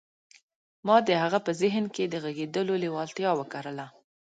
ما د هغه په ذهن کې د غږېدلو لېوالتیا وکرله